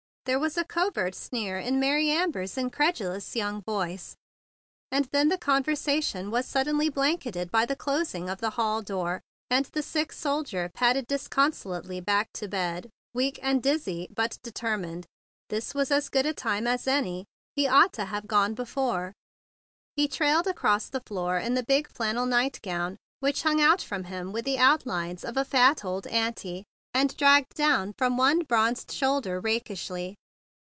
There was a covert sneer in Mary Amber's incredulous young voice; and then the conversation was suddenly blanketed by the closing of the hall door, and the sick soldier pad¬ ded disconsolately back to bed, weak and dizzy, but determined. This was as good a time as any. He ought to have gone before! He trailed across the room in the big 94 THE BIG BLUE SOLDIER flannel nightgown that hung out from him with the outlines of a fat old auntie and dragged down from one bronzed shoulder rakishly.